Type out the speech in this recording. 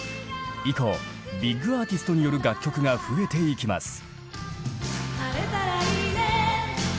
以降ビッグアーティストによる楽曲が増えていきます。